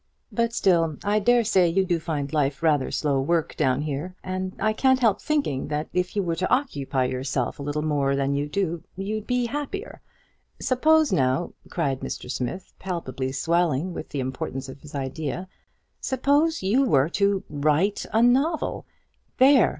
But still, I dare say, you do find life rather slow work down here; and I can't help thinking that if you were to occupy yourself a little more than you do, you'd be happier. Suppose, now," cried Mr. Smith, palpably swelling with the importance of his idea, "suppose you were to WRITE A NOVEL! THERE!